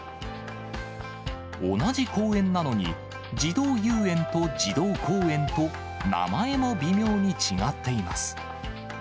同じ公園なのに、児童遊園と児童公園と、名前も微妙に違っています。